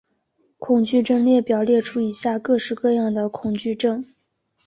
恐惧症列表列出以下各式各样的恐惧症。